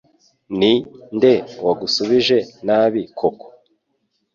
Ni nde wagusubije nabi koko